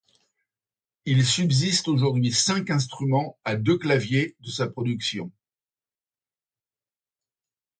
Il subsiste aujourd'hui cinq instruments à deux claviers de sa production.